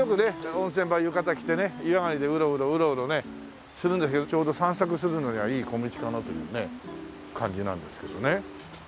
温泉場は浴衣着てね湯上がりでうろうろうろうろねするんですけどちょうど散策するのにはいい小道かなというね感じなんですけどね。